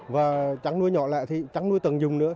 và trắng nuôi nhỏ lại thì trắng nuôi tần dùng nữa